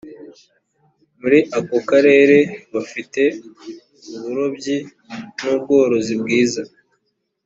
muri ako karere bafite uburobyi n ‘ubworozi bwiza.